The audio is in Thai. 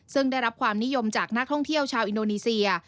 ซึ่งได้รับความนิยมจากนักท่องเที่ยวชาวอินโดนีเซีย